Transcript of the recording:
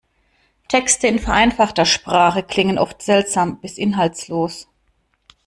Texte in vereinfachter Sprache klingen oft seltsam bis inhaltslos.